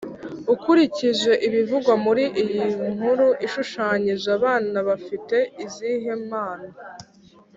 Ukurikije ibivugwa muri iyi nkuru ishushanyije abana bafite izihe mpano?